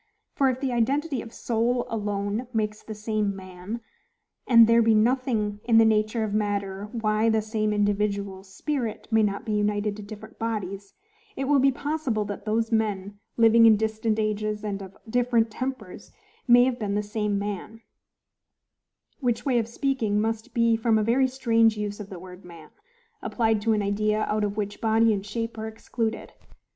For if the identity of SOUL ALONE makes the same MAN; and there be nothing in the nature of matter why the same individual spirit may not be united to different bodies, it will be possible that those men, living in distant ages, and of different tempers, may have been the same man: which way of speaking must be from a very strange use of the word man, applied to an idea out of which body and shape are excluded.